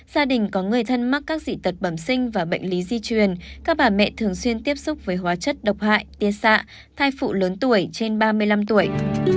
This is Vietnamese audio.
gia đình có người thân mắc các dị tật bẩm sinh và bệnh lý di truyền các bà mẹ thường xuyên tiếp xúc với hóa chất độc hại tiên xạ thai phụ lớn tuổi trên ba mươi năm tuổi